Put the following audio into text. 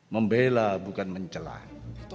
membela bukan mencelah